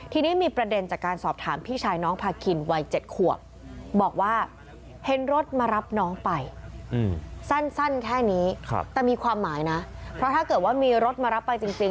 ทีนี้มีประเด็นจากการสอบถามพี่ชายน้องพาคินวัย๗ขวบ